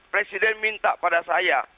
presiden minta pada saya